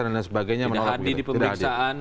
dan sebagainya tidak hadir di pemeriksaan